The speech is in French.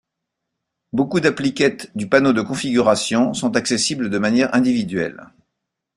Beaucoup d'appliquettes du panneau de configuration sont accessibles de manière individuelle.